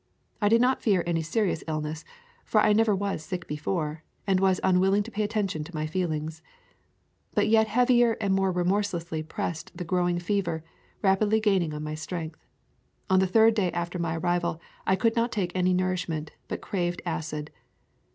I did not fear any serious illness, for I never was sick before, and was unwilling to pay attention to my feel ings. But yet heavier and more remorselessly pressed the growing fever, rapidly gaining on my strength. On the third day after my arrival I could not take any nourishment, but craved acid.